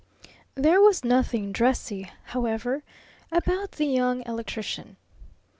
There was nothing dressy, however, about the Young Electrician.